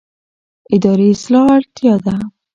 اداري اصلاح اړتیا ده